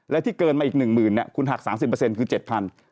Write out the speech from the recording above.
แล้วที่เกินมาอีก๑๐๐๐๐บาทคุณหัก๓๐คือ๗๐๐๐บาท